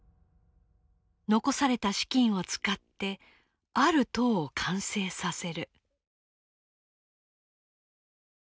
残された資金を使ってある塔を完成させる。